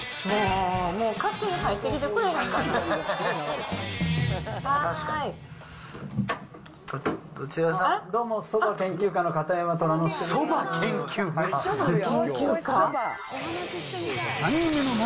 もう勝手に入ってきてくれへんかな。